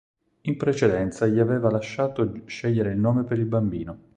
In precedenza gli aveva lasciato scegliere il nome per il bambino.